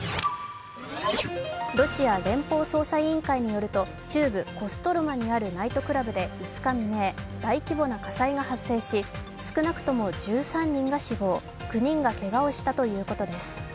ロシア連邦捜査委員会によると、中部コストロマにあるナイトクラブで５日未明、大規模な火災が発生し、少なくとも１３人が死亡９人がけがをしたということです。